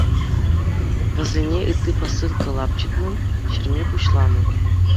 Вӗсене ытти посылка лапчӑтнӑ, ҫӗрме пуҫланӑ.